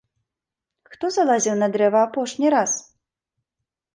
Хто залазіў на дрэва апошні раз?